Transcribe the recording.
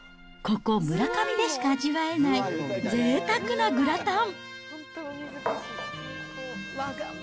ここ、むらかみでしか味わえないぜいたくなグラタン。